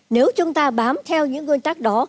nếu chúng ta bám theo những nguyên tắc đó